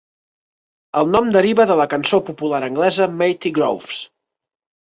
El nom deriva de la cançó popular anglesa Matty Groves.